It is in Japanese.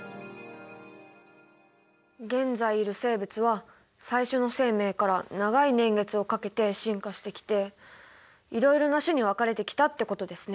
現在いる生物は最初の生命から長い年月をかけて進化してきていろいろな種に分かれてきたってことですね。